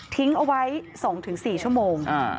ทิ้งเอาไว้๒๔ชั่วโมง